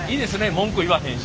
文句言わへんし。